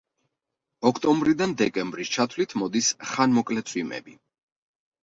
ოქტომბრიდან დეკემბრის ჩათვლით მოდის ხანმოკლე წვიმები.